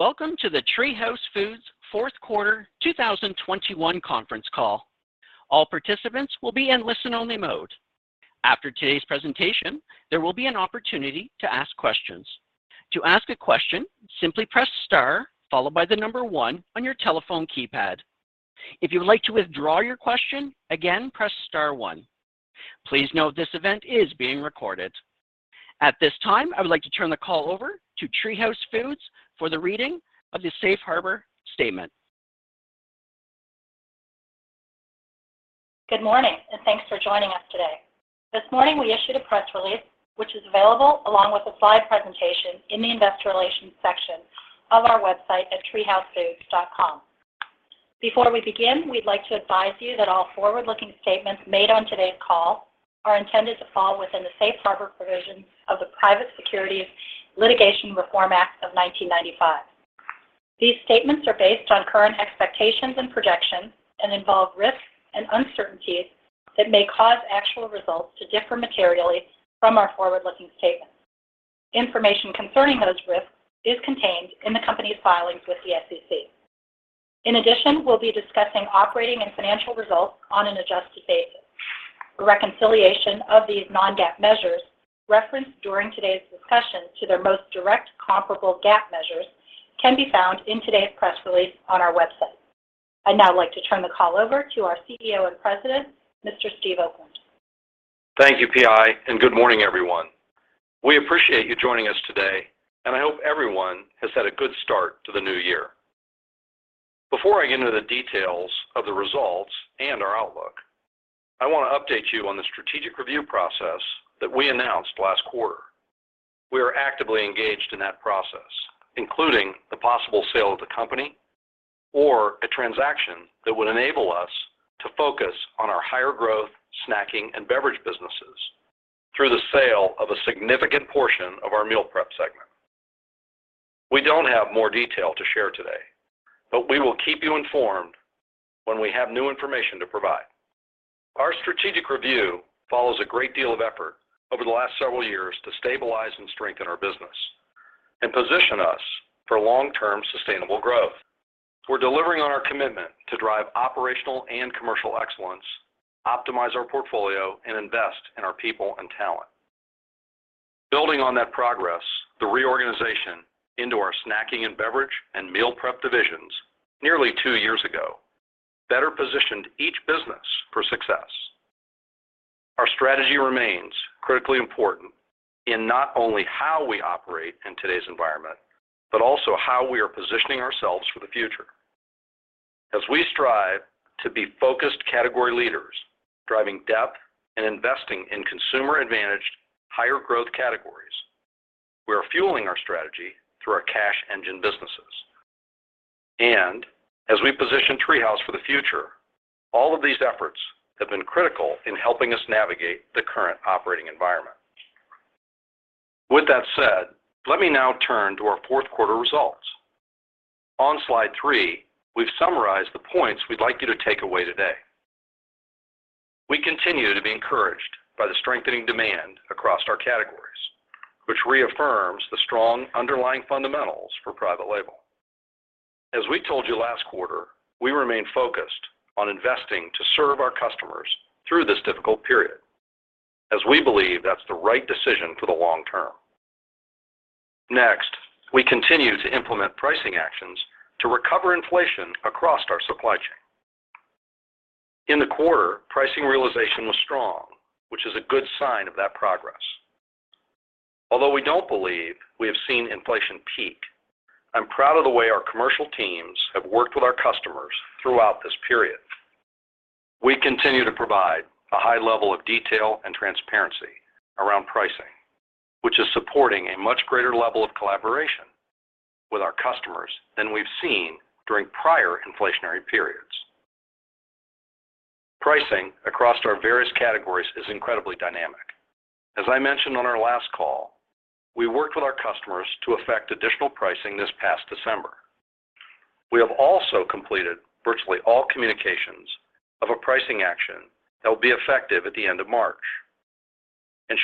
Welcome to the TreeHouse Foods fourth quarter 2021 conference call. All participants will be in listen-only mode. After today's presentation, there will be an opportunity to ask questions. To ask a question, simply press star followed by the number one on your telephone keypad. If you would like to withdraw your question, again, press star. Please note this event is being recorded. At this time, I would like to turn the call over to TreeHouse Foods for the reading of the safe harbor statement. Good morning, and thanks for joining us today. This morning we issued a press release, which is available along with a slide presentation in the Investor Relations section of our website at treehousefoods.com. Before we begin, we'd like to advise you that all forward-looking statements made on today's call are intended to fall within the Safe Harbor provisions of the Private Securities Litigation Reform Act of 1995. These statements are based on current expectations and projections and involve risks and uncertainties that may cause actual results to differ materially from our forward-looking statements. Information concerning those risks is contained in the company's filings with the SEC. In addition, we'll be discussing operating and financial results on an adjusted basis. A reconciliation of these non-GAAP measures referenced during today's discussion to their most direct comparable GAAP measures can be found in today's press release on our website. I'd now like to turn the call over to our CEO and President, Mr. Steve Oakland. Thank you, PI, and good morning, everyone. We appreciate you joining us today, and I hope everyone has had a good start to the new year. Before I get into the details of the results and our outlook, I want to update you on the strategic review process that we announced last quarter. We are actively engaged in that process, including the possible sale of the company or a transaction that would enable us to focus on our higher growth Snacking & Beverages businesses through the sale of a significant portion of our Meal Preparation segment. We don't have more detail to share today, but we will keep you informed when we have new information to provide. Our strategic review follows a great deal of effort over the last several years to stabilize and strengthen our business and position us for long-term sustainable growth. We're delivering on our commitment to drive operational and commercial excellence, optimize our portfolio, and invest in our people and talent. Building on that progress, the reorganization into our Snacking & Beverage and Meal Prep divisions nearly two years ago better positioned each business for success. Our strategy remains critically important in not only how we operate in today's environment, but also how we are positioning ourselves for the future. As we strive to be focused category leaders, driving depth and investing in consumer-advantaged, higher growth categories, we are fueling our strategy through our cash engine businesses. As we position TreeHouse for the future, all of these efforts have been critical in helping us navigate the current operating environment. With that said, let me now turn to our fourth quarter results. On slide three, we've summarized the points we'd like you to take away today. We continue to be encouraged by the strengthening demand across our categories, which reaffirms the strong underlying fundamentals for private label. As we told you last quarter, we remain focused on investing to serve our customers through this difficult period, as we believe that's the right decision for the long term. Next, we continue to implement pricing actions to recover inflation across our supply chain. In the quarter, pricing realization was strong, which is a good sign of that progress. Although we don't believe we have seen inflation peak, I'm proud of the way our commercial teams have worked with our customers throughout this period. We continue to provide a high level of detail and transparency around pricing, which is supporting a much greater level of collaboration with our customers than we've seen during prior inflationary periods. Pricing across our various categories is incredibly dynamic. As I mentioned on our last call, we worked with our customers to affect additional pricing this past December. We have also completed virtually all communications of a pricing action that will be effective at the end of March.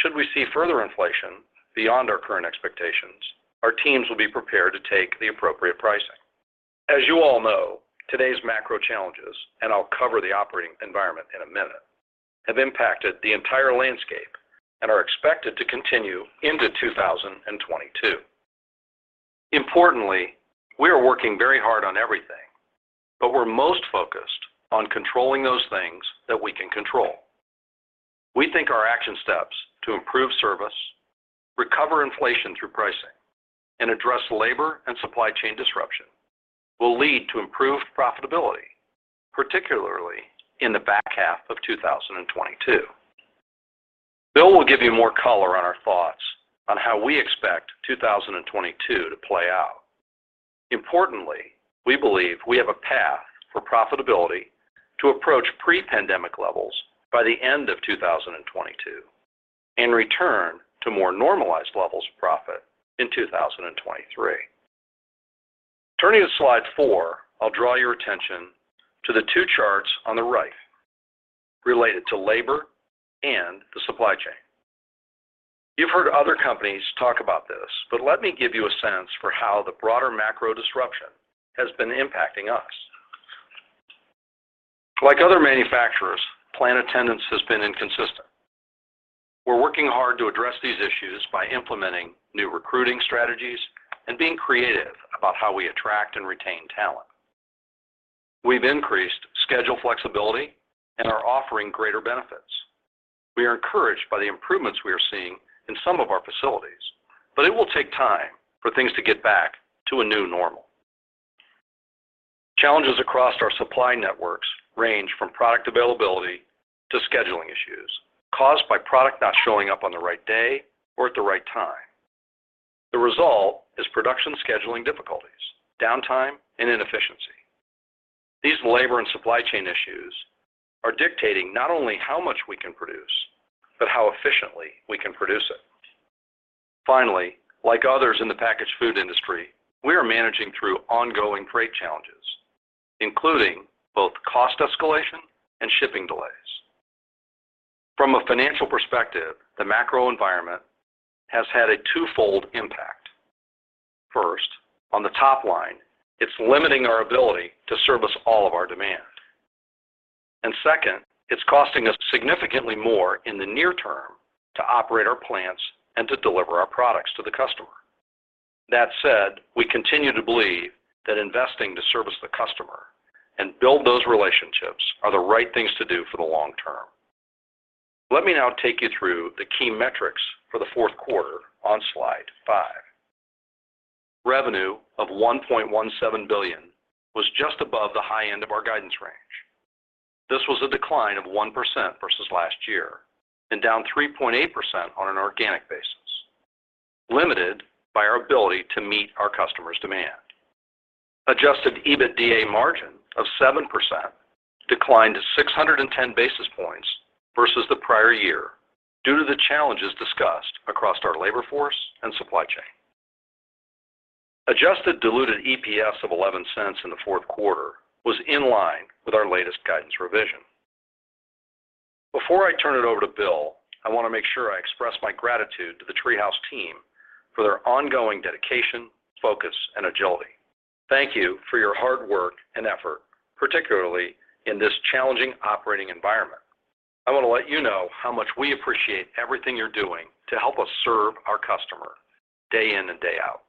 Should we see further inflation beyond our current expectations, our teams will be prepared to take the appropriate pricing. As you all know, today's macro challenges, and I'll cover the operating environment in a minute, have impacted the entire landscape and are expected to continue into 2022. Importantly, we are working very hard on everything, but we're most focused on controlling those things that we can control. We think our action steps to improve service, recover inflation through pricing, and address labor and supply chain disruption will lead to improved profitability, particularly in the back half of 2022. Bill will give you more color on our thoughts on how we expect 2022 to play out. Importantly, we believe we have a path for profitability to approach pre-pandemic levels by the end of 2022 and return to more normalized levels of profit in 2023. Turning to slide four, I'll draw your attention to the two charts on the right related to labor and the supply chain. You've heard other companies talk about this, but let me give you a sense for how the broader macro disruption has been impacting us. Like other manufacturers, plant attendance has been inconsistent. We're working hard to address these issues by implementing new recruiting strategies and being creative about how we attract and retain talent. We've increased schedule flexibility and are offering greater benefits. We are encouraged by the improvements we are seeing in some of our facilities, but it will take time for things to get back to a new normal. Challenges across our supply networks range from product availability to scheduling issues caused by product not showing up on the right day or at the right time. The result is production scheduling difficulties, downtime, and inefficiency. These labor and supply chain issues are dictating not only how much we can produce, but how efficiently we can produce it. Finally, like others in the packaged food industry, we are managing through ongoing freight challenges, including both cost escalation and shipping delays. From a financial perspective, the macro environment has had a two-fold impact. First, on the top line, it's limiting our ability to service all of our demand. Second, it's costing us significantly more in the near term to operate our plants and to deliver our products to the customer. That said, we continue to believe that investing to service the customer and build those relationships are the right things to do for the long term. Let me now take you through the key metrics for the fourth quarter on slide five. Revenue of $1.17 billion was just above the high end of our guidance range. This was a decline of 1% versus last year and down 3.8% on an organic basis, limited by our ability to meet our customers' demand. Adjusted EBITDA margin of 7% declined to 610 basis points versus the prior year due to the challenges discussed across our labor force and supply chain. Adjusted diluted EPS of $0.11 in the fourth quarter was in line with our latest guidance revision. Before I turn it over to Bill, I want to make sure I express my gratitude to the TreeHouse team for their ongoing dedication, focus, and agility. Thank you for your hard work and effort, particularly in this challenging operating environment. I want to let you know how much we appreciate everything you're doing to help us serve our customer day in and day out.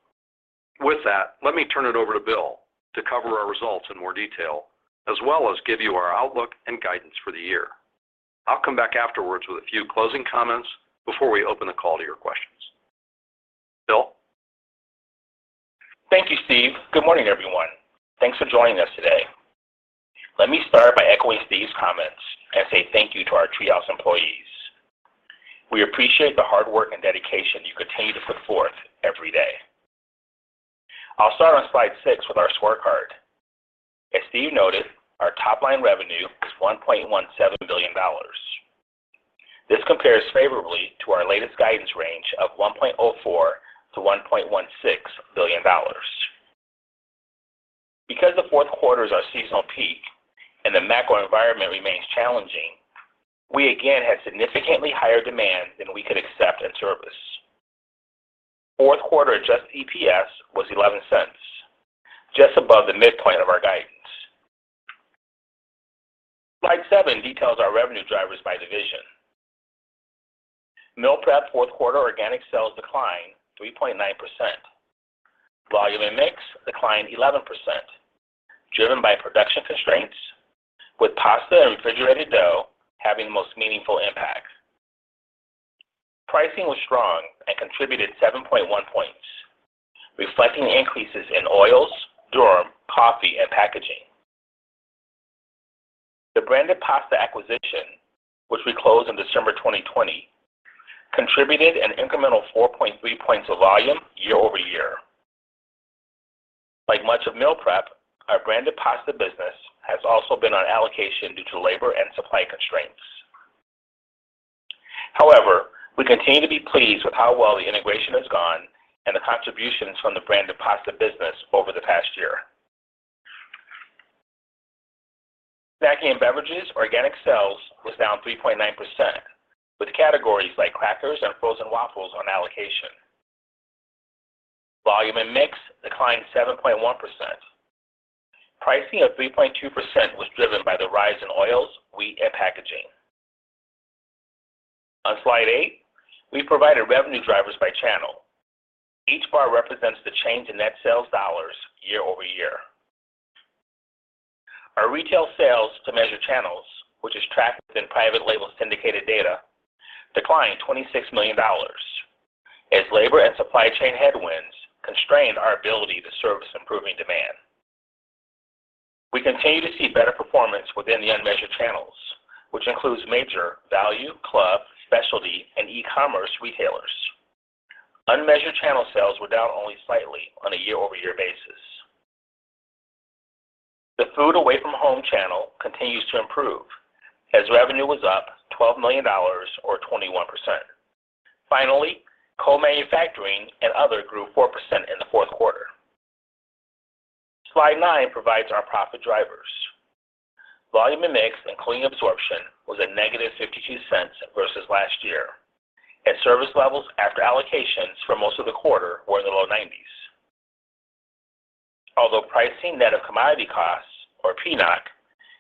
With that, let me turn it over to Bill to cover our results in more detail, as well as give you our outlook and guidance for the year. I'll come back afterwards with a few closing comments before we open the call to your questions. Bill? Thank you, Steve. Good morning, everyone. Thanks for joining us today. Let me start by echoing Steve's comments and say thank you to our TreeHouse employees. We appreciate the hard work and dedication you continue to put forth every day. I'll start on slide six with our scorecard. As Steve noted, our top-line revenue was $1.17 billion. This compares favorably to our latest guidance range of $1.04 billion-$1.16 billion. Because the fourth quarter is our seasonal peak and the macro environment remains challenging, we again had significantly higher demand than we could accept and service. Fourth quarter adjusted EPS was $0.11, just above the midpoint of our guidance. Slide seven details our revenue drivers by division. Meal Prep fourth quarter organic sales declined 3.9%. Volume and mix declined 11%, driven by production constraints, with pasta and refrigerated dough having the most meaningful impact. Pricing was strong and contributed 7.1 points, reflecting increases in oils, durum, coffee, and packaging. The branded pasta acquisition, which we closed in December 2020, contributed an incremental 4.3 points of volume year-over-year. Like much of Meal Preparation, our branded pasta business has also been on allocation due to labor and supply constraints. However, we continue to be pleased with how well the integration has gone and the contributions from the branded pasta business over the past year. Snacking & Beverages organic sales was down 3.9%, with categories like crackers and frozen waffles on allocation. Volume and mix declined 7.1%. Pricing of 3.2% was driven by the rise in oils, wheat, and packaging. On slide eight, we provided revenue drivers by channel. Each bar represents the change in net sales dollars year-over-year. Our retail sales to measured channels, which is tracked in private label syndicated data, declined $26 million as labor and supply chain headwinds constrained our ability to service improving demand. We continue to see better performance within the unmeasured channels, which includes major, value, club, specialty, and e-commerce retailers. Unmeasured channel sales were down only slightly on a year-over-year basis. The food away from home channel continues to improve as revenue was up $12 million or 21%. Finally, co-manufacturing and other grew 4% in the fourth quarter. Slide nine provides our profit drivers. Volume and mix, and cleaning absorption was a negative $0.52 versus last year, and service levels after allocations for most of the quarter were in the low 90s. Although pricing net of commodity costs, or PNOC,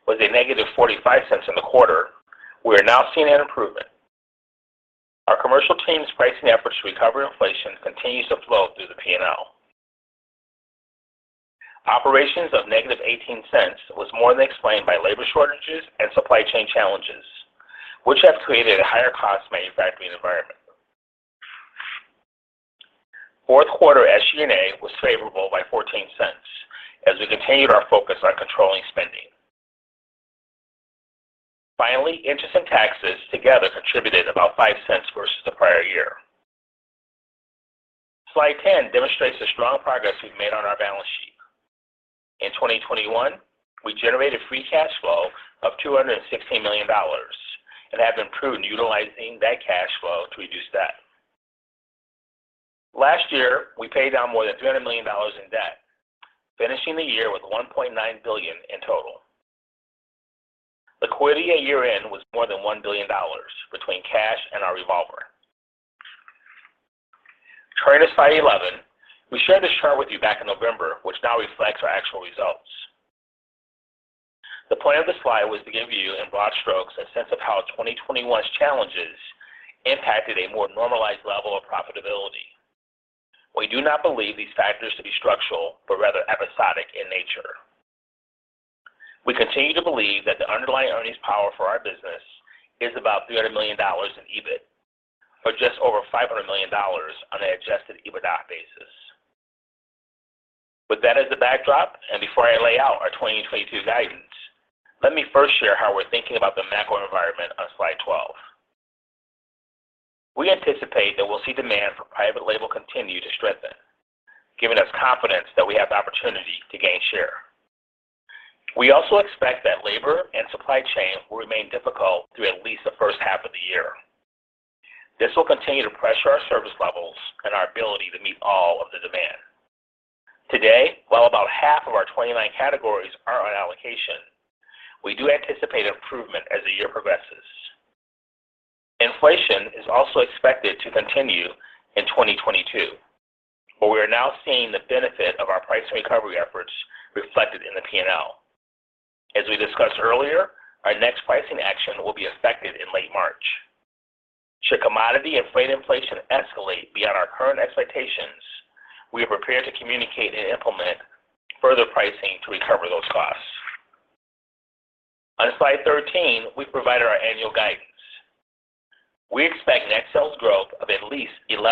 was -$0.45 in the quarter, we are now seeing an improvement. Our commercial team's pricing efforts to recover inflation continues to flow through the P&L. Operations of -$0.18 was more than explained by labor shortages and supply chain challenges, which have created a higher cost manufacturing environment. Fourth quarter SG&A was favorable by $0.14 as we continued our focus on controlling spending. Finally, interest and taxes together contributed about $0.05 versus the prior year. Slide 10 demonstrates the strong progress we've made on our balance sheet. In 2021, we generated free cash flow of $216 million and have improved in utilizing that cash flow to reduce debt. Last year, we paid down more than $300 million in debt, finishing the year with $1.9 billion in total. Liquidity at year-end was more than $1 billion between cash and our revolver. Turning to slide 11, we shared this chart with you back in November, which now reflects our actual results. The point of the slide was to give you, in broad strokes, a sense of how 2021's challenges impacted a more normalized level of profitability. We do not believe these factors to be structural, but rather episodic in nature. We continue to believe that the underlying earnings power for our business is about $300 million in EBIT or just over $500 million on an adjusted EBITDA basis. With that as the backdrop, and before I lay out our 2022 guidance, let me first share how we're thinking about the macro environment on slide 12. We anticipate that we'll see demand for private label continue to strengthen, giving us confidence that we have the opportunity to gain share. We also expect that labor and supply chain will remain difficult through at least the first half of the year. This will continue to pressure our service levels and our ability to meet all of the demand. Today, while about half of our 29 categories are on allocation, we do anticipate improvement as the year progresses. Inflation is also expected to continue in 2022. We are now seeing the benefit of our price recovery efforts reflected in the P&L. As we discussed earlier, our next pricing action will be effective in late March. Should commodity and freight inflation escalate beyond our current expectations, we are prepared to communicate and implement further pricing to recover those costs. On slide 13, we provide our annual guidance. We expect net sales growth of at least 11%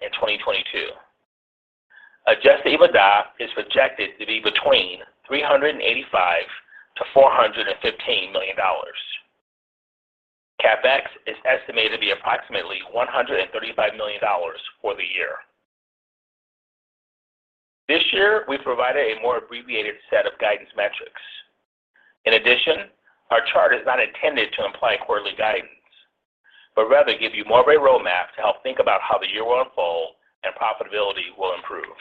in 2022. Adjusted EBITDA is projected to be between $385 million-$415 million. CapEx is estimated to be approximately $135 million for the year. This year, we provided a more abbreviated set of guidance metrics. In addition, our chart is not intended to imply quarterly guidance, but rather give you more of a roadmap to help think about how the year will unfold and profitability will improve.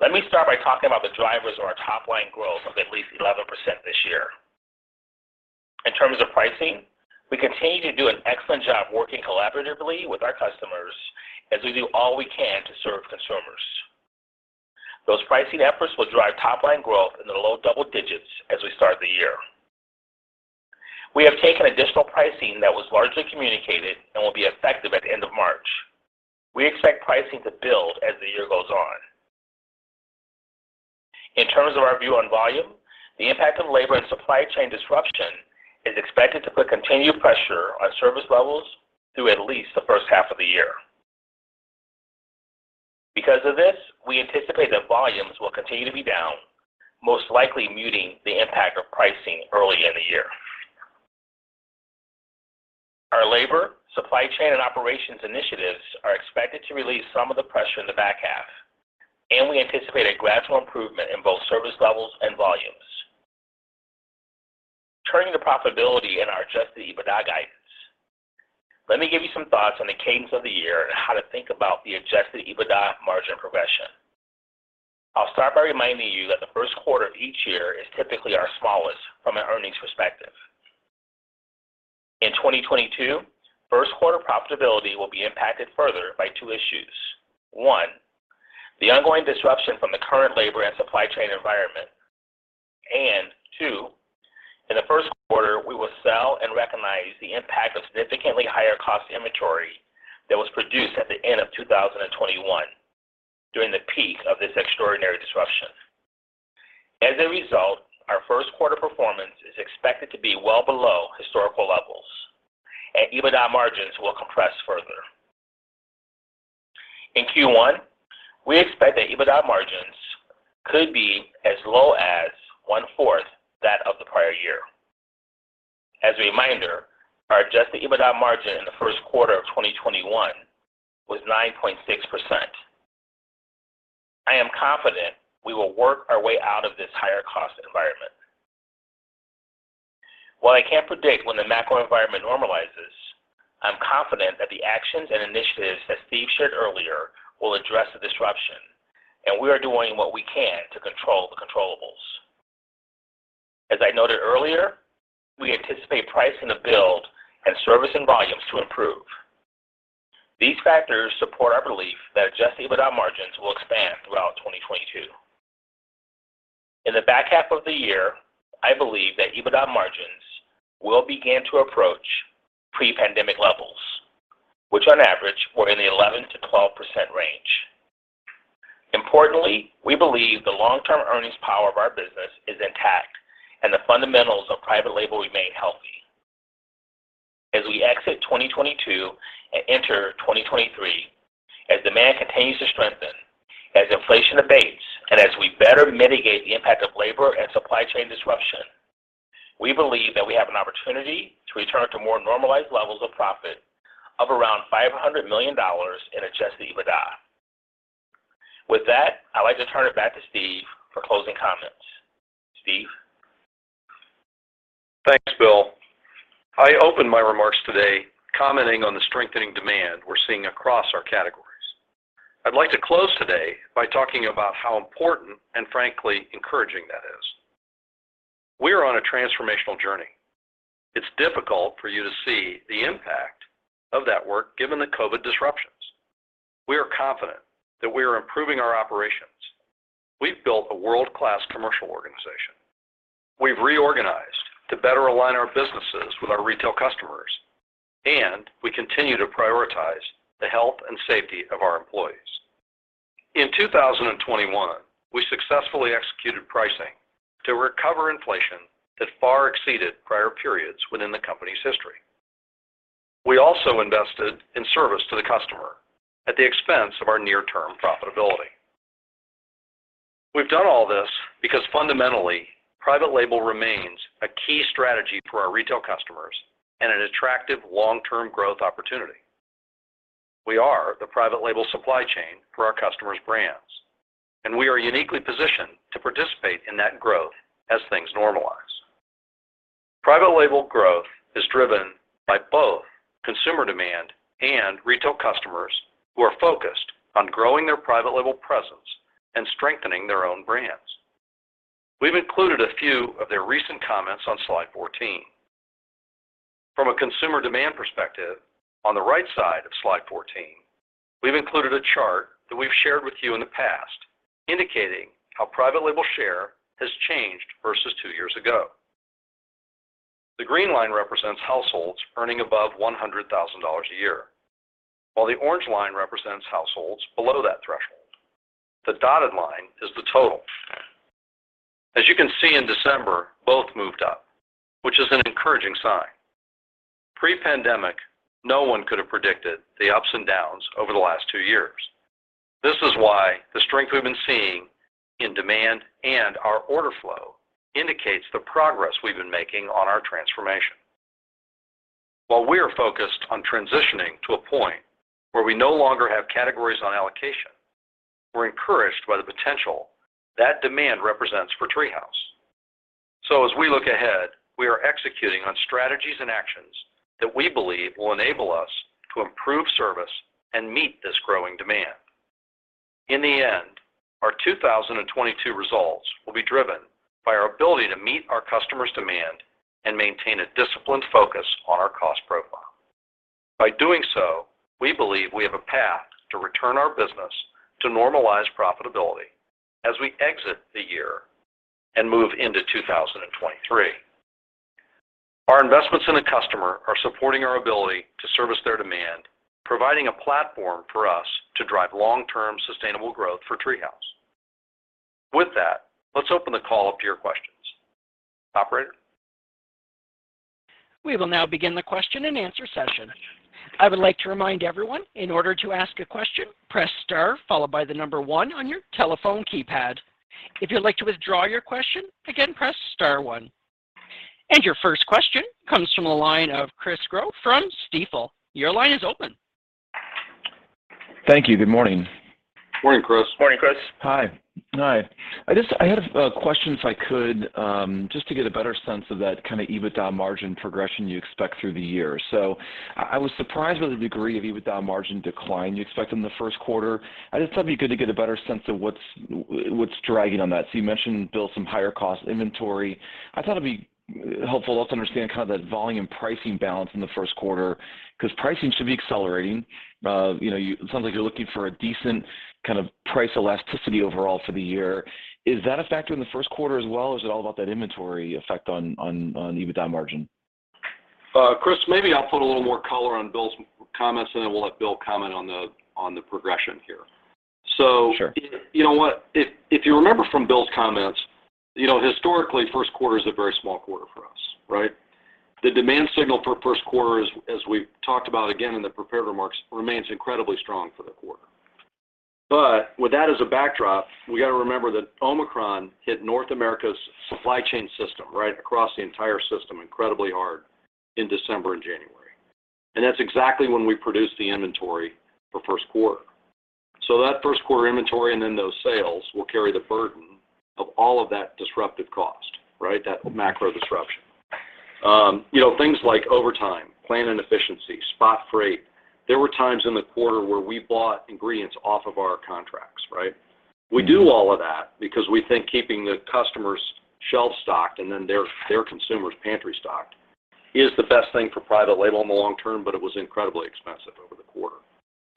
Let me start by talking about the drivers of our top-line growth of at least 11% this year. In terms of pricing, we continue to do an excellent job working collaboratively with our customers as we do all we can to serve consumers. Those pricing efforts will drive top-line growth in the low double digits as we start the year. We have taken additional pricing that was largely communicated and will be effective at the end of March. We expect pricing to build as the year goes on. In terms of our view on volume, the impact of labor and supply chain disruption is expected to put continued pressure on service levels through at least the first half of the year. Because of this, we anticipate that volumes will continue to be down, most likely muting the impact of pricing early in the year. Our labor, supply chain, and operations initiatives are expected to release some of the pressure in the back half, and we anticipate a gradual improvement in both service levels and volumes. Turning to profitability and our adjusted EBITDA guidance. Let me give you some thoughts on the cadence of the year and how to think about the adjusted EBITDA margin progression. I'll start by reminding you that the first quarter of each year is typically our smallest from an earnings perspective. In 2022, first quarter profitability will be impacted further by two issues. One, the ongoing disruption from the current labor and supply chain environment. Two, in the first quarter, we will sell and recognize the impact of significantly higher cost inventory that was produced at the end of 2021 during the peak of this extraordinary disruption. As a result, our first quarter performance is expected to be well below historical levels, and EBITDA margins will compress further. In Q1, we expect that EBITDA margins could be as low as 1/4 that of the prior year. As a reminder, our adjusted EBITDA margin in the first quarter of 2021 was 9.6%. I am confident we will work our way out of this higher cost environment. While I can't predict when the macro environment normalizes, I'm confident that the actions and initiatives that Steve shared earlier will address the disruption, and we are doing what we can to control the controllables. As I noted earlier, we anticipate pricing in the Snacking & Beverages and volumes to improve. These factors support our belief that adjusted EBITDA margins will expand throughout 2022. In the back half of the year, I believe that EBITDA margins will begin to approach pre-pandemic levels, which on average were in the 11%-12% range. Importantly, we believe the long-term earnings power of our business is intact and the fundamentals of private label remain healthy. As we exit 2022 and enter 2023, as demand continues to strengthen, as inflation abates, and as we better mitigate the impact of labor and supply chain disruption, we believe that we have an opportunity to return to more normalized levels of profit of around $500 million in adjusted EBITDA. With that, I'd like to turn it back to Steve for closing comments. Steve? Thanks, Bill. I opened my remarks today commenting on the strengthening demand we're seeing across our categories. I'd like to close today by talking about how important and, frankly, encouraging that is. We're on a transformational journey. It's difficult for you to see the impact of that work given the COVID disruptions. We are confident that we are improving our operations. We've built a world-class commercial organization. We've reorganized to better align our businesses with our retail customers, and we continue to prioritize the health and safety of our employees. In 2021, we successfully executed pricing to recover inflation that far exceeded prior periods within the company's history. We also invested in service to the customer at the expense of our near-term profitability. We've done all this because fundamentally, private label remains a key strategy for our retail customers and an attractive long-term growth opportunity. We are the private label supply chain for our customers' brands, and we are uniquely positioned to participate in that growth as things normalize. Private label growth is driven by both consumer demand and retail customers who are focused on growing their private label presence and strengthening their own brands. We've included a few of their recent comments on slide 14. From a consumer demand perspective, on the right side of slide 14, we've included a chart that we've shared with you in the past indicating how private label share has changed versus two years ago. The green line represents households earning above $100,000 a year, while the orange line represents households below that threshold. The dotted line is the total. As you can see in December, both moved up, which is an encouraging sign. Pre-pandemic, no one could have predicted the ups and downs over the last two years. This is why the strength we've been seeing in demand and our order flow indicates the progress we've been making on our transformation. While we are focused on transitioning to a point where we no longer have categories on allocation, we're encouraged by the potential that demand represents for TreeHouse. As we look ahead, we are executing on strategies and actions that we believe will enable us to improve service and meet this growing demand. In the end, our 2022 results will be driven by our ability to meet our customers' demand and maintain a disciplined focus on our cost profile. By doing so, we believe we have a path to return our business to normalized profitability as we exit the year and move into 2023. Our investments in the customer are supporting our ability to service their demand, providing a platform for us to drive long-term sustainable growth for TreeHouse. With that, let's open the call up to your questions. Operator? We will now begin the question and answer session. I would like to remind everyone in order to ask a question, press star followed by the number one on your telephone keypad. If you'd like to withdraw your question, again, press star one. Your first question comes from the line of Chris Growe from Stifel. Your line is open. Thank you. Good morning. Morning, Chris. Morning, Chris. Hi. Hi. I had a question, if I could, just to get a better sense of that kind of EBITDA margin progression you expect through the year. I was surprised by the degree of EBITDA margin decline you expect in the first quarter. I just thought it'd be good to get a better sense of what's dragging on that. You mentioned, Bill, some higher cost inventory. I thought it'd be helpful also to understand kind of that volume pricing balance in the first quarter, 'cause pricing should be accelerating. You know, it sounds like you're looking for a decent kind of price elasticity overall for the year. Is that a factor in the first quarter as well, or is it all about that inventory effect on EBITDA margin? Chris, maybe I'll put a little more color on Bill's comments, and then we'll let Bill comment on the progression here. Sure. You know what? If you remember from Bill's comments, you know, historically, first quarter is a very small quarter for us, right? The demand signal for first quarter as we've talked about again in the prepared remarks, remains incredibly strong for the quarter. With that as a backdrop, we gotta remember that Omicron hit North America's supply chain system right across the entire system incredibly hard in December and January. That's exactly when we produced the inventory for first quarter. That first quarter inventory and then those sales will carry the burden of all of that disruptive cost, right? That macro disruption. You know, things like overtime, plant inefficiency, spot freight. There were times in the quarter where we bought ingredients off of our contracts, right? We do all of that because we think keeping the customers' shelves stocked and then their consumers' pantry stocked is the best thing for private label in the long term, but it was incredibly expensive over the quarter.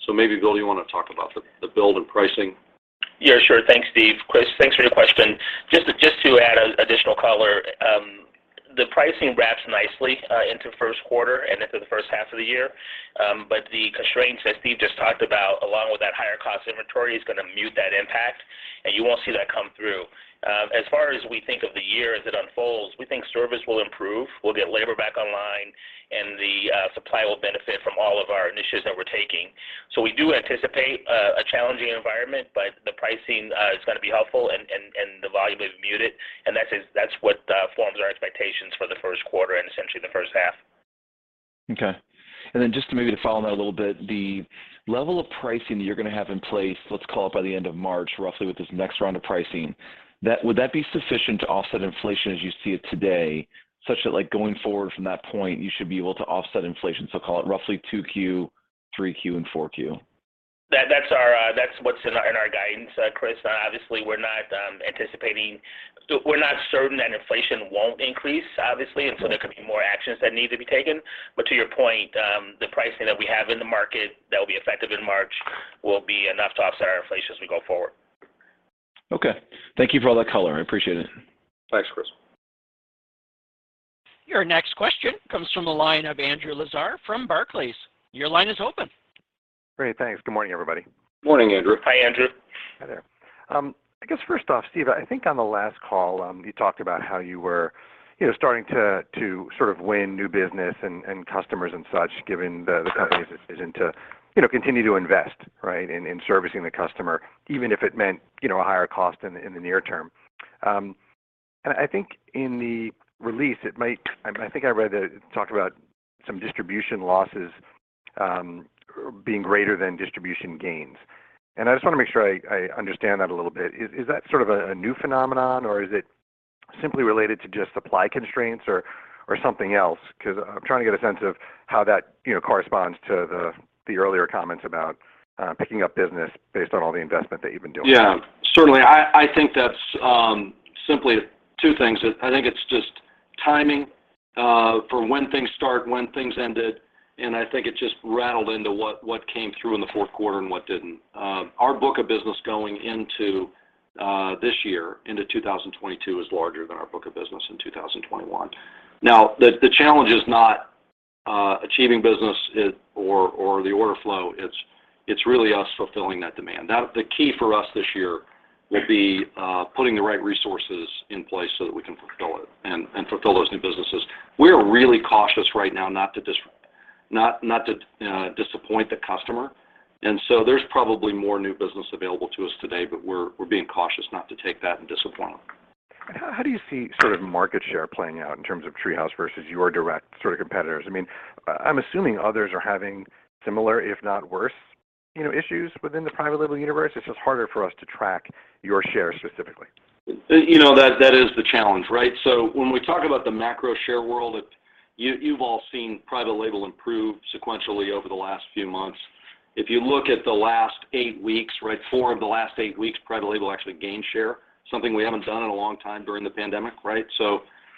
Maybe, Bill, you wanna talk about the build and pricing? Yeah, sure. Thanks, Steve. Chris, thanks for your question. Just to add an additional color, the pricing wraps nicely into first quarter and into the first half of the year. The constraints that Steve just talked about, along with that higher cost inventory, is gonna mute that impact, and you won't see that come through. As far as we think of the year as it unfolds, we think service will improve. We'll get labor back online, and the supply will benefit from all of our initiatives that we're taking. We do anticipate a challenging environment, but the pricing is gonna be helpful and the volume is muted, and that's what forms our expectations for the first quarter and essentially the first half. Okay. Just to maybe follow on that a little bit, the level of pricing that you're gonna have in place, let's call it by the end of March, roughly, with this next round of pricing, that would be sufficient to offset inflation as you see it today, such that, like, going forward from that point, you should be able to offset inflation, so call it roughly 2Q, 3Q, and 4Q? That's what's in our guidance, Chris. Obviously, we're not certain that inflation won't increase, obviously. Mm-hmm there could be more actions that need to be taken. To your point, the pricing that we have in the market that will be effective in March will be enough to offset our inflation as we go forward. Okay. Thank you for all that color. I appreciate it. Thanks, Chris. Your next question comes from the line of Andrew Lazar from Barclays. Your line is open. Great. Thanks. Good morning, everybody. Morning, Andrew. Hi, Andrew. Hi there. I guess first off, Steve, I think on the last call, you talked about how you were, you know, starting to sort of win new business and customers and such, given the company's decision to, you know, continue to invest, right, in servicing the customer, even if it meant, you know, a higher cost in the near term. I think in the release, it might. I think I read that it talked about some distribution losses being greater than distribution gains, and I just wanna make sure I understand that a little bit. Is that sort of a new phenomenon, or is it simply related to just supply constraints or something else? 'Cause I'm trying to get a sense of how that, you know, corresponds to the earlier comments about picking up business based on all the investment that you've been doing. Yeah. Certainly. I think that's simply two things. I think it's just timing for when things start, when things ended, and I think it just rattled into what came through in the fourth quarter and what didn't. Our book of business going into this year, into 2022, is larger than our book of business in 2021. Now, the challenge is not achieving business or the order flow. It's really us fulfilling that demand. Now, the key for us this year will be putting the right resources in place so that we can fulfill it and fulfill those new businesses. We're really cautious right now not to disappoint the customer, and so there's probably more new business available to us today, but we're being cautious not to take that and disappoint them. How, how do you see sort of market share playing out in terms of TreeHouse versus your direct sort of competitors? I mean, I'm assuming others are having similar, if not worse, you know, issues within the private label universe. It's just harder for us to track your shares specifically. You know, that is the challenge, right? When we talk about the macro share world, you've all seen private label improve sequentially over the last few months. If you look at the last eight weeks, right, four of the last eight weeks, private label actually gained share, something we haven't done in a long time during the pandemic, right?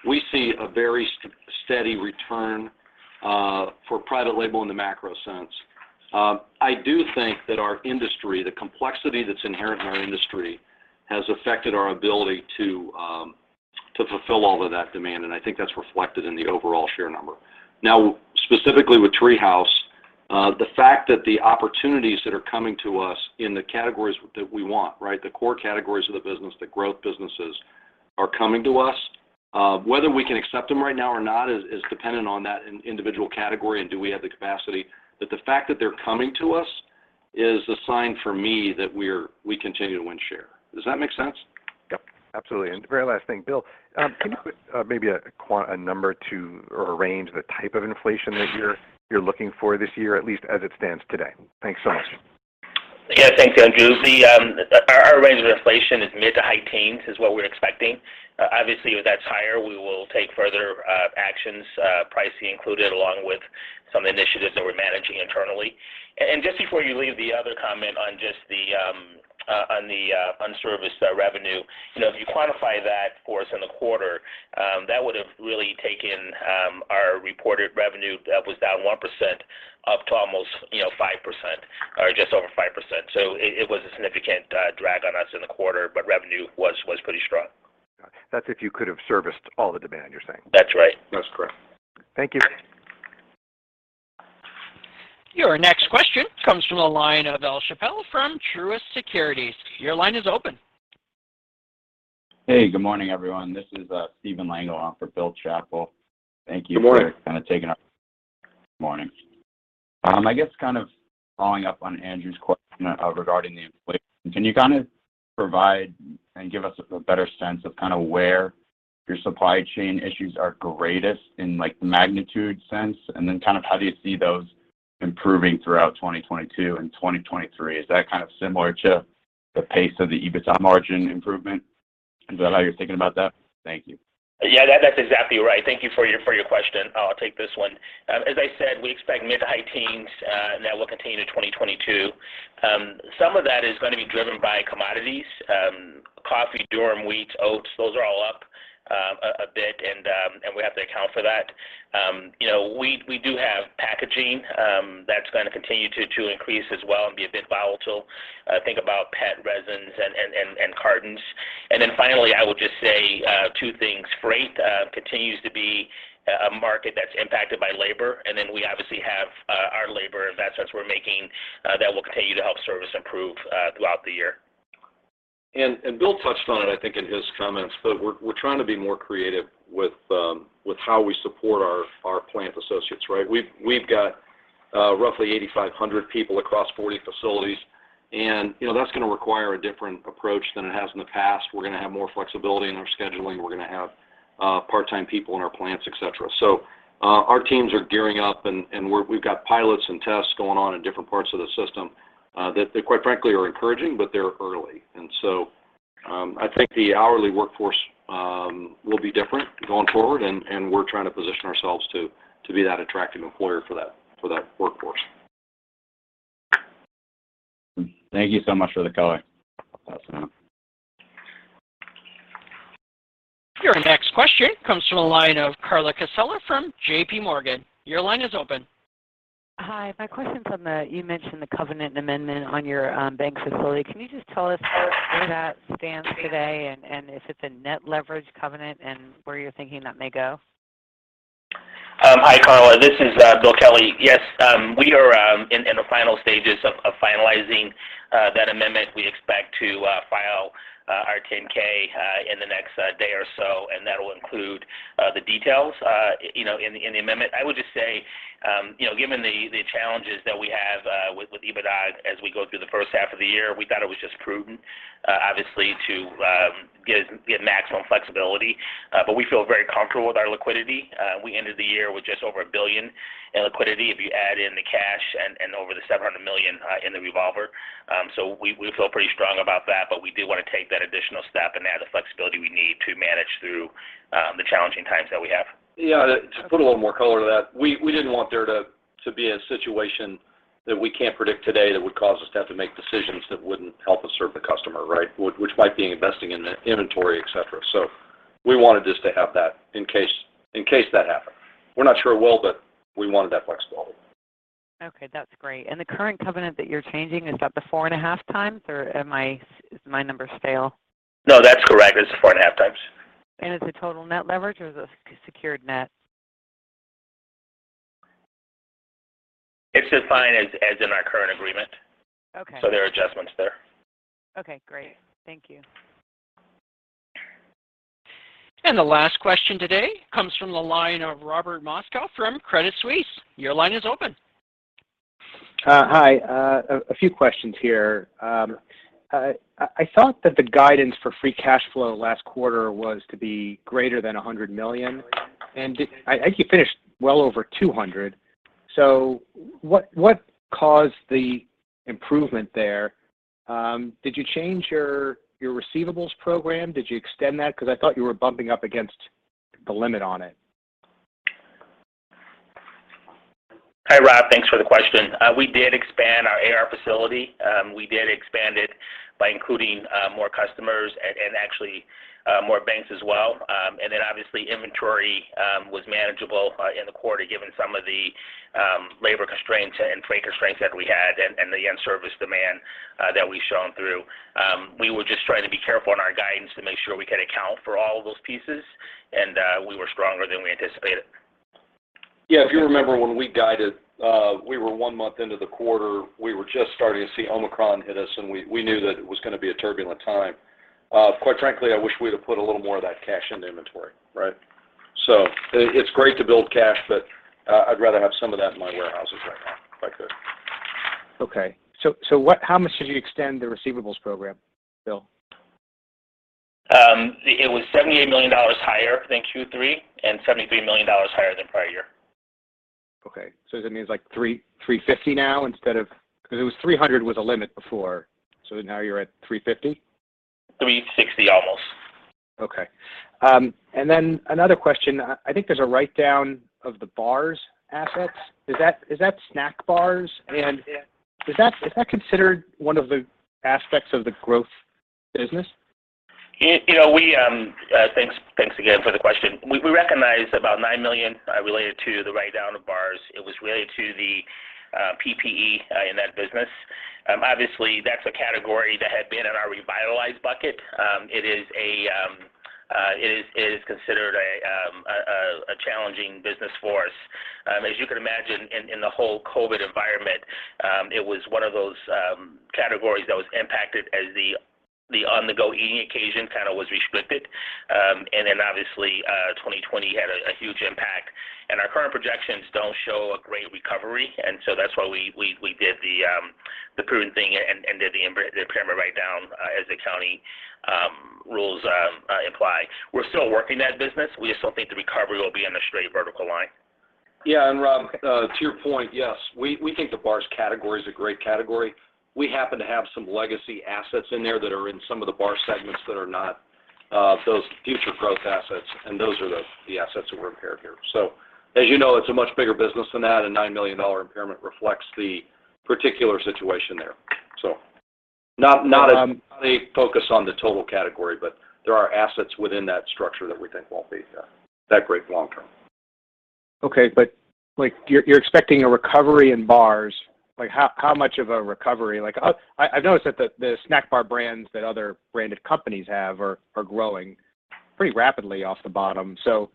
We see a very steady return for private label in the macro sense. I do think that our industry, the complexity that's inherent in our industry, has affected our ability to fulfill all of that demand, and I think that's reflected in the overall share number. Now, specifically with TreeHouse, the fact that the opportunities that are coming to us in the categories that we want, right, the core categories of the business, the growth businesses, are coming to us. Whether we can accept them right now or not is dependent on that individual category and do we have the capacity. The fact that they're coming to us is a sign for me that we continue to win share. Does that make sense? Yep, absolutely. Very last thing. Bill, can you put maybe a number to or a range the type of inflation that you're looking for this year, at least as it stands today? Thanks so much. Yeah. Thanks, Andrew. Our range of inflation is mid- to high-teens, what we're expecting. Obviously, if that's higher, we will take further actions, pricing included, along with some initiatives that we're managing internally. Just before you leave, the other comment on the unserviced revenue, you know, if you quantify that for us in the quarter, that would've really taken our reported revenue that was down 1% up to almost, you know, 5% or just over 5%. It was a significant drag on us in the quarter, but revenue was pretty strong. Got it. That's if you could've serviced all the demand, you're saying? That's right. That's correct. Thank you. Your next question comes from the line of Bill Chappell from Truist Securities. Your line is open. Hey. Good morning, everyone. This is Steven Langel on for Bill Chappell. Thank you for- Good morning. Morning. I guess kind of following up on Andrew's question, regarding the inflation. Can you kind of provide and give us a better sense of kind of where your supply chain issues are greatest in, like, magnitude sense? How do you see those improving throughout 2022 and 2023? Is that kind of similar to the pace of the EBITDA margin improvement? Is that how you're thinking about that? Thank you. Yeah, that's exactly right. Thank you for your question. I'll take this one. As I said, we expect mid-to-high teens, and that will continue to 2022. Some of that is gonna be driven by commodities. Coffee, durum wheat, oats, those are all up a bit, and we have to account for that. You know, we do have packaging that's gonna continue to increase as well and be a bit volatile. Think about PET resins and cartons. Then finally, I will just say two things. Freight continues to be a market that's impacted by labor, and then we obviously have our labor investments we're making that will continue to help service improve throughout the year. Bill touched on it, I think, in his comments, but we're trying to be more creative with how we support our plant associates, right? We've got roughly 8,500 people across 40 facilities and, you know, that's gonna require a different approach than it has in the past. We're gonna have more flexibility in our scheduling. We're gonna have part-time people in our plants, et cetera. Our teams are gearing up and we've got pilots and tests going on in different parts of the system that quite frankly are encouraging, but they're early. I think the hourly workforce will be different going forward and we're trying to position ourselves to be that attractive employer for that workforce. Thank you so much for the color. Your next question comes from the line of Carla Casella from JPMorgan. Your line is open. Hi. My question's on the you mentioned the covenant amendment on your bank facility. Can you just tell us where that stands today and if it's a net leverage covenant and where you're thinking that may go? Hi, Carla. This is Bill Kelley. Yes, we are in the final stages of finalizing that amendment. We expect to file our 10-K in the next day or so, and that'll include the details, you know, in the amendment. I would just say, you know, given the challenges that we have with EBITDA as we go through the first half of the year, we thought it was just prudent, obviously, to get maximum flexibility. But we feel very comfortable with our liquidity. We ended the year with just over $1 billion in liquidity, if you add in the cash and over $700 million in the revolver. We feel pretty strong about that, but we do wanna take that additional step and add the flexibility we need to manage through the challenging times that we have. Yeah, to put a little more color to that, we didn't want there to be a situation that we can't predict today that would cause us to have to make decisions that wouldn't help us serve the customer, right? Which might be investing in the inventory, et cetera. We wanted just to have that in case that happened. We're not sure it will, but we wanted that flexibility. Okay, that's great. The current covenant that you're changing, is that the 4.5x, or is my numbers stale? No, that's correct. It's 4.5x. It's a total net leverage or is it secured net? It's defined as in our current agreement. Okay. There are adjustments there. Okay, great. Thank you. The last question today comes from the line of Robert Moskow from Credit Suisse. Your line is open. Hi. A few questions here. I thought that the guidance for free cash flow last quarter was to be greater than $100 million. I think you finished well over $200 million. What caused the improvement there? Did you change your receivables program? Did you extend that? Because I thought you were bumping up against the limit on it. Hi, Rob. Thanks for the question. We did expand our AR facility. We did expand it by including more customers and actually more banks as well. And then obviously inventory was manageable in the quarter given some of the labor constraints and freight constraints that we had and the intense demand that we've shown through. We were just trying to be careful in our guidance to make sure we could account for all of those pieces and we were stronger than we anticipated. Yeah, if you remember when we guided, we were one month into the quarter. We were just starting to see Omicron hit us, and we knew that it was gonna be a turbulent time. Quite frankly, I wish we'd have put a little more of that cash into inventory, right? It's great to build cash, but I'd rather have some of that in my warehouses right now if I could. How much did you extend the receivables program, Bill? It was $78 million higher than Q3 and $73 million higher than prior year. Okay. Does that mean it's like 300, 350 now instead of, 'cause it was 300 was the limit before. Now you're at 350? 360 almost. Okay. Another question. I think there's a write-down of the bars assets. Is that snack bars? Is that considered one of the aspects of the growth business? Thanks again for the question. We recognized about $9 million related to the write-down of bars. It was related to the PP&E in that business. Obviously, that's a category that had been in our revitalized bucket. It is considered a challenging business for us. As you can imagine in the whole COVID environment, it was one of those categories that was impacted as the on-the-go eating occasion kind of was restricted. Then obviously, 2020 had a huge impact. Our current projections don't show a great recovery, so that's why we did the prudent thing and did the impairment write-down as the accounting rules apply. We're still working that business. We just don't think the recovery will be in a straight vertical line. Yeah, Rob, to your point, yes. We think the bars category is a great category. We happen to have some legacy assets in there that are in some of the bar segments that are not those future growth assets, and those are the assets that we're impaired here. As you know, it's a much bigger business than that, a $9 million impairment reflects the particular situation there. Not a focus on the total category, but there are assets within that structure that we think won't be that great long term. Okay, like, you're expecting a recovery in bars. Like, how much of a recovery? Like, I've noticed that the snack bar brands that other branded companies have are growing pretty rapidly off the bottom. So,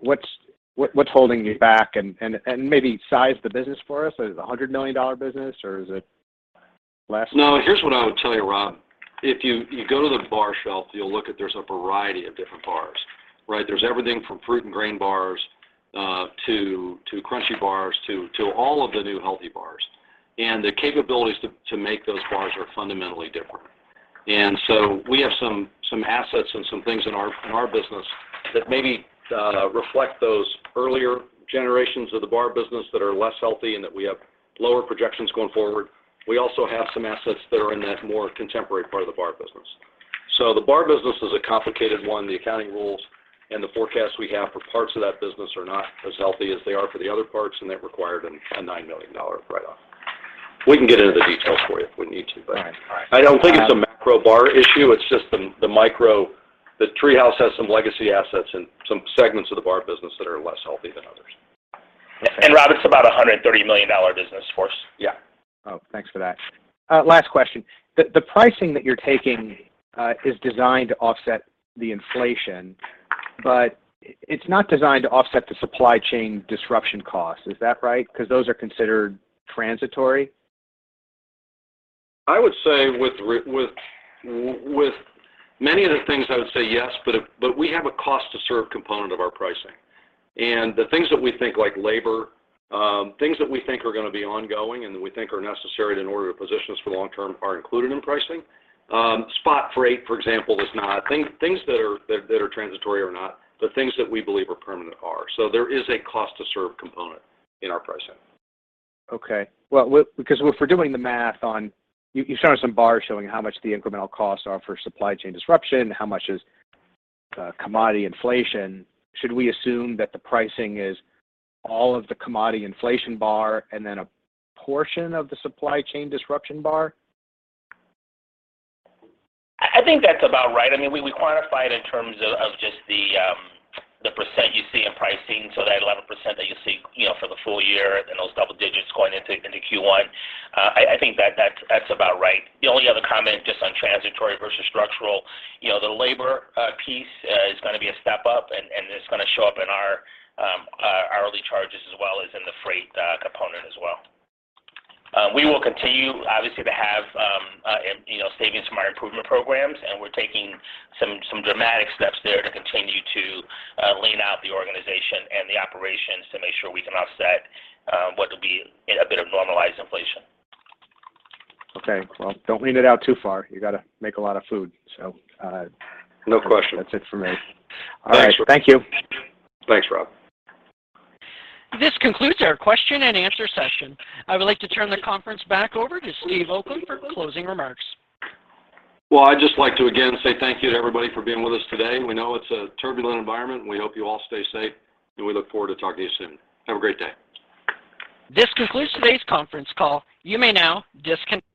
what's holding you back and maybe size the business for us? Is it a $100 million business or is it less than that? No, here's what I would tell you, Rob. If you go to the bar shelf, you'll look at. There's a variety of different bars, right? There's everything from fruit and grain bars to crunchy bars to all of the new healthy bars. The capabilities to make those bars are fundamentally different. We have some assets and some things in our business that maybe reflect those earlier generations of the bar shelf business that are less healthy and that we have lower projections going forward. We also have some assets that are in that more contemporary part of the bar business. The bar business is a complicated one. The accounting rules and the forecasts we have for parts of that business are not as healthy as they are for the other parts, and that required a $9 million write-off. We can get into the details for you if we need to, but. All right. All right. I don't think it's a macro bar issue. It's just the TreeHouse has some legacy assets and some segments of the bar business that are less healthy than others. Rob, it's about a $130 million business for us. Yeah. Oh, thanks for that. Last question. The pricing that you're taking is designed to offset the inflation, but it's not designed to offset the supply chain disruption costs. Is that right? Because those are considered transitory. I would say with many of the things, I would say yes, we have a cost to serve component of our pricing. The things that we think like labor are gonna be ongoing and that we think are necessary in order to position us for long term are included in pricing. Spot freight, for example, is not. Things that are transitory or not, but things that we believe are permanent are. There is a cost to serve component in our pricing. Okay. Well, because if we're doing the math on you showed us some bars showing how much the incremental costs are for supply chain disruption, how much is commodity inflation. Should we assume that the pricing is all of the commodity inflation bar and then a portion of the supply chain disruption bar? I think that's about right. I mean, we quantify it in terms of just the percent you see in pricing. That 11% that you see, you know, for the full year and those double digits going into Q1, I think that's about right. The only other comment just on transitory versus structural, you know, the labor piece is gonna be a step-up and it's gonna show up in our hourly charges as well as in the freight component as well. We will continue obviously to have, you know, savings from our improvement programs, and we're taking some dramatic steps there to continue to lean out the organization and the operations to make sure we can offset what will be in a bit of normalized inflation. Okay. Well, don't lean it out too far. You gotta make a lot of food. No question. That's it for me. Thanks. All right. Thank you. Thanks, Rob. This concludes our question and answer session. I would like to turn the conference back over to Steve Oakland for closing remarks. Well, I'd just like to again say thank you to everybody for being with us today. We know it's a turbulent environment, and we hope you all stay safe, and we look forward to talking to you soon. Have a great day. This concludes today's conference call. You may now disconnect.